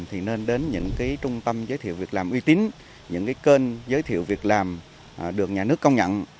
thì nên đến những trung tâm giới thiệu việc làm uy tín những kênh giới thiệu việc làm được nhà nước công nhận